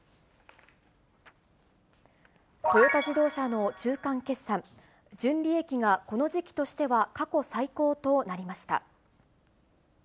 トヨタ自動車の中間決算、純利益がこの時期としては過去最高となりました。